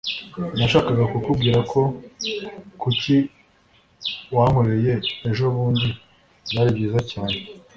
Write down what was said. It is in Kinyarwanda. Nashakaga kukubwira ko kuki wankoreye ejobundi byari byiza cyane